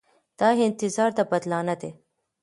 دا انتظار د بدلانه دی.